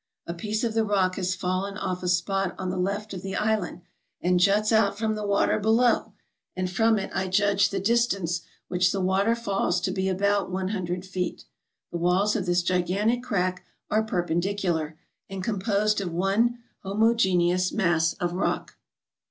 A piece of the rock has fallen off a spot on the left of the island, and juts out from the water below, and from it I judged the distance which the water falls to be about one hundred feet. The walls of this gigantic crack are per pendicular, and composed of one homogeneous mass of rock.